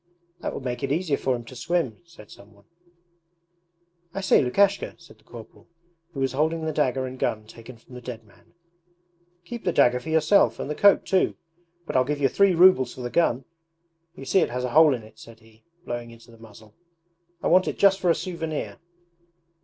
'That would make it easier for him to swim,' said some one. 'I say, Lukashka,' said the corporal, who was holding the dagger and gun taken from the dead man. 'Keep the dagger for yourself and the coat too; but I'll give you three rubles for the gun. You see it has a hole in it,' said he, blowing into the muzzle. 'I want it just for a souvenir.'